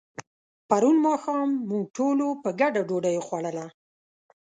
پرون ماښام موږ ټولو په ګډه ډوډۍ وخوړله.